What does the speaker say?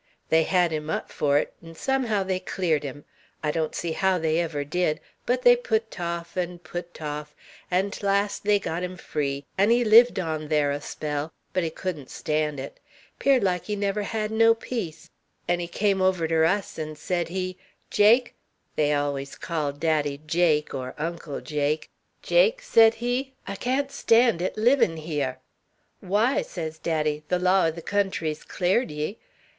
They hed him up for 't, 'n' somehow they clared him. I don't see how they ever did, but they put 't off, 'n' put 't off, 'n' 't last they got him free; 'n' he lived on thar a spell, but he couldn't stan' it; 'peared like he never hed no peace; 'n' he came over ter our 'us, 'n' sed he, 'Jake,' they allers called daddy 'Jake,' or 'Uncle Jake,' 'Jake,' sed he, 'I can't stan' it, livin' hyar.' 'Why,' sez daddy, 'the law o' the country's clar'd ye.'